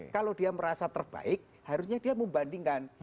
kalau dia merasa terbaik harusnya dia membandingkan